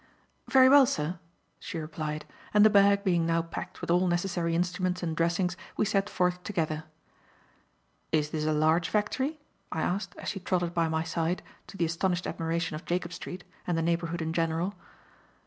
"Very well, sir," she replied, and the bag being now packed with all necessary instruments and dressings, we set forth together. "Is this a large factory?" I asked, as she trotted by my side, to the astonished admiration of Jacob Street, and the neighbourhood in general.